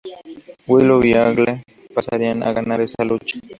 Willow y Angle pasarían a ganar esa lucha.